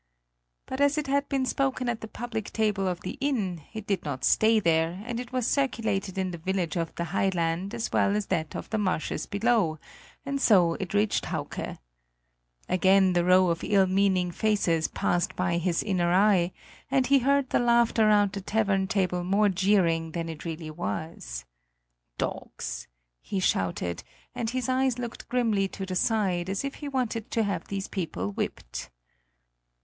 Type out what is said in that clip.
But as it had been spoken at the public table of an inn, it did not stay there, and it was circulated in the village of the high land as well as that of the marshes below; and so it reached Hauke. Again the row of ill meaning faces passed by his inner eye, and he heard the laughter round the tavern table more jeering than it really was. "Dogs!" he shouted, and his eyes looked grimly to the side, as if he wanted to have these people whipped.